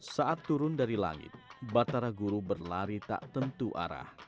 saat turun dari langit batara guru berlari tak tentu arah